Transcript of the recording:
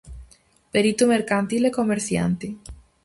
Perito mercantil e comerciante.